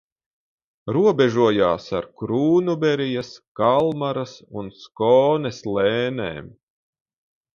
Robežojās ar Krūnuberjas, Kalmaras un Skones lēnēm.